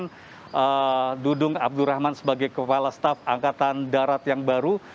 dan dudung abdurrahman sebagai kepala staff angkatan darat yang baru